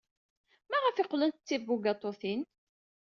Maɣef ay qqlent d tibugaṭutin?